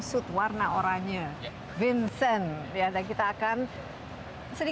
dan saya akan semakin mendikshould